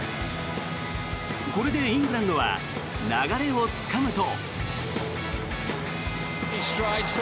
これでイングランドは流れをつかむと。